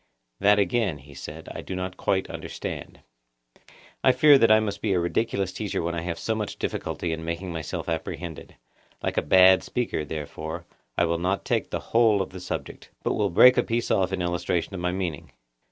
That again, he said, I do not quite understand. I fear that I must be a ridiculous teacher when I have so much difficulty in making myself apprehended. Like a bad speaker, therefore, I will not take the whole of the subject, but will break a piece off in illustration of my meaning.